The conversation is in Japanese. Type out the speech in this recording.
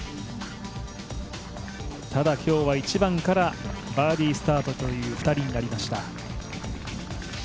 ただ今日は１番からバーディースタートという２人になりました。